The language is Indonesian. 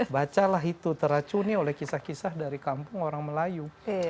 bacalah itu teracuni oleh kisah kisah dari kampung orang melayu